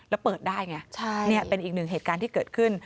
แล้วเปิดได้ไงนี่เป็นอีกหนึ่งเหตุการณ์ที่เกิดขึ้น